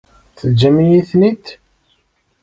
Teǧǧamt-iyi-ten-id.